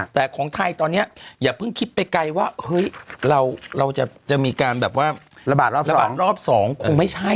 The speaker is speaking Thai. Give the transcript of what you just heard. แต่ของไทยตอนนี้อย่าเพิ่งคิดไปไกลว่าเฮ้ยเราจะมีการแบบว่าระบาดรอบ๒คงไม่ใช่